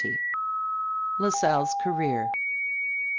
LA SALLE'S CAREER.